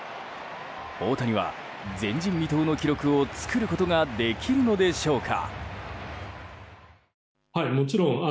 大谷は前人未到の記録を作ることができるのでしょうか。